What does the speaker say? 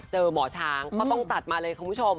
หมอช้างก็ต้องจัดมาเลยคุณผู้ชม